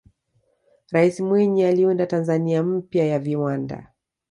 raisi mwinyi aliunda tanzania mpya ya viwanda